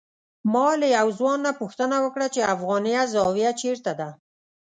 ما له یو ځوان نه پوښتنه وکړه چې افغانیه زاویه چېرته ده.